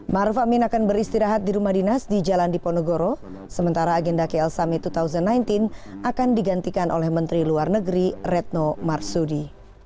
maruf amin akan beristirahat di rumah dinas di jalan diponegoro sementara agenda kl summit dua ribu sembilan belas akan digantikan oleh menteri luar negeri retno marsudi